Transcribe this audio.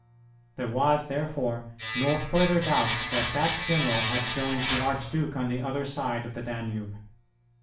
There was, therefore, no further doubt that that general had joined the archduke on the other side of the Danube.